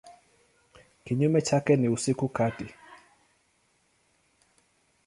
Kinyume chake ni usiku kati.